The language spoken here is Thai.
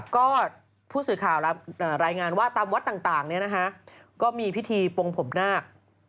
ก็ผู้สื่อข่าวรายงานว่าตามวัดต่างก็มีพิธีปงผมนาค